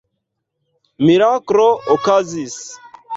Miraklo okazis.